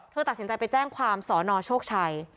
ตัดสินใจไปแจ้งความสนโชคชัย